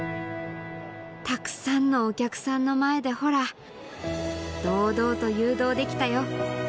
たくさんのお客さんの前でほら堂々と誘導できたよ